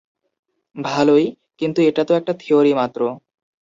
ভালোই, কিন্তু এটাতো একটা থিওরি মাত্র।